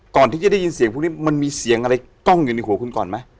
ก่อนที่จะได้ยินเสียงพวกนี้มันมีเสียงอะไรกล้องอยู่ในหัวคุณก่อนไหม